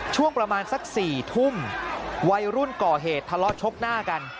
ช่วงประมาณสัก๔ทุ่มวัยรุ่นก่อเหตุทะเลาะชกหน้ากัน